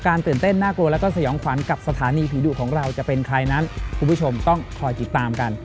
คุณผู้ชมต้องคอยติดตามกัน